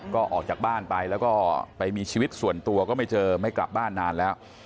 ก็ออกจากบ้านไปแล้วก็ไปมีชีวิตส่วนตัวก็ไม่เจอไม่กลับบ้านนานแล้ว